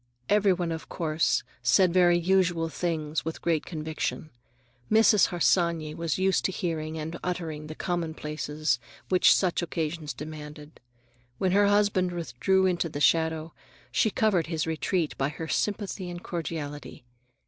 Every one, of course, said very usual things with great conviction. Mrs. Harsanyi was used to hearing and uttering the commonplaces which such occasions demanded. When her husband withdrew into the shadow, she covered his retreat by her sympathy and cordiality.